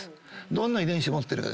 どんな遺伝子持ってるかです。